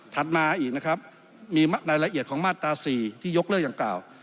มาอีกนะครับมีรายละเอียดของมาตรา๔ที่ยกเลิกอย่างกล่าว